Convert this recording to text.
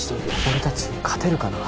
俺たち勝てるかな？